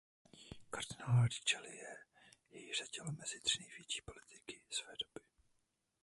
Kardinál Richelieu jej řadil mezi tři největší politiky své doby.